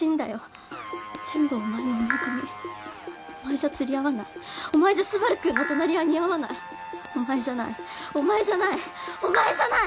全部お前の思い込みお前じゃ釣り合わないお前じゃスバルくんの隣は似合わないお前じゃないお前じゃないお前じゃない！